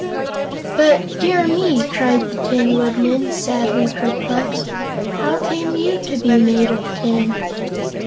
"But dear me!" cried the Tin Woodman, sadly perplexed; "how came you to be made of tin?"